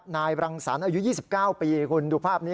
นายรังสรรค์อายุ๒๙ปีคุณดูภาพนี้